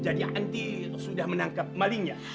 jadi anti sudah menangkap malingnya